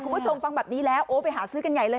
คุณผู้ชมฟังแบบนี้แล้วโอ้ไปหาซื้อกันใหญ่เลย